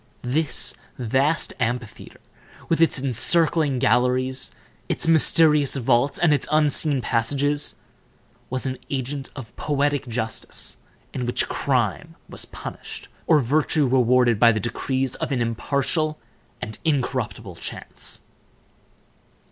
This vast amphitheater, with its encircling galleries, its mysterious vaults, and its unseen passages, was an agent of poetic justice, in which crime was punished, or virtue rewarded, by the decrees of an impartial and incorruptible chance.